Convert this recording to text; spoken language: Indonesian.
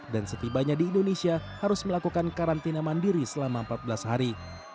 dan setibanya di indonesia harus melakukan karantina mandiri selama empat belas hari